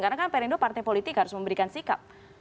karena kan perindo partai politik harus memberikan sikap